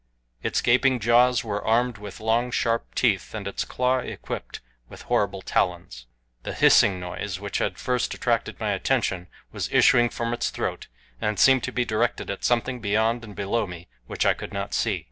Its gaping jaws were armed with long, sharp teeth, and its claw equipped with horrible talons. The hissing noise which had first attracted my attention was issuing from its throat, and seemed to be directed at something beyond and below me which I could not see.